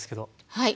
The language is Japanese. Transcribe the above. はい。